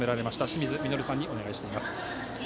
清水稔さんにお願いしています。